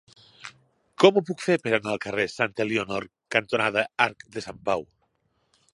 Com ho puc fer per anar al carrer Santa Elionor cantonada Arc de Sant Pau?